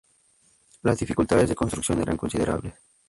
Las dificultades de construcción eran considerables.